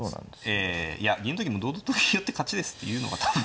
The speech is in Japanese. ええいや銀の時も堂々とと金寄って勝ちですっていうのが多分。